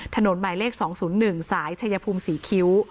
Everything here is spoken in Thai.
หมายเลข๒๐๑สายชายภูมิศรีคิ้ว